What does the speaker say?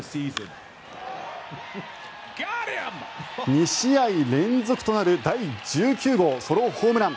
２試合連続となる第１９号ソロホームラン。